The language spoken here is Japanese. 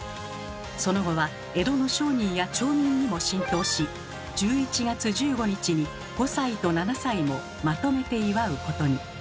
その後は江戸の商人や町民にも浸透し１１月１５日に５歳と７歳もまとめて祝うことに。